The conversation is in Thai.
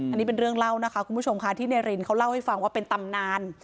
อันนี้เป็นเรื่องเล่านะคะคุณผู้ชมค่ะที่นายรินเขาเล่าให้ฟังว่าเป็นตำนาน